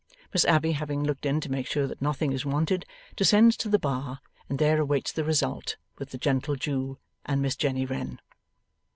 Miss Abbey having looked in to make sure that nothing is wanted, descends to the bar, and there awaits the result, with the gentle Jew and Miss Jenny Wren.